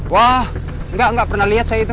wah enggak enggak pernah lihat saya itu